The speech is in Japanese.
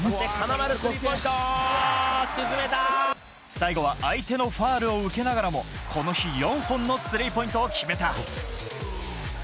最後は相手のファウルを受けながらも、この日、４本のスリーポイントを決めた。